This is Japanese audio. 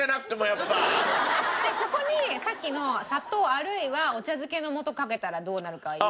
ここにさっきの砂糖あるいはお茶づけの素かけたらどうなるか入れて。